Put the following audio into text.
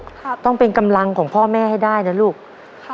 ครับต้องเป็นกำลังของพ่อแม่ให้ได้นะลูกค่ะ